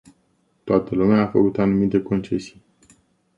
Toată lumea a făcut anumite concesii.